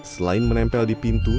selain menempel di pintu